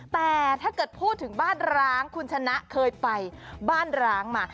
แต่ถ้าเกิดพูดถึงบ้านร้างคุณชนะเคยไปบ้านร้างมา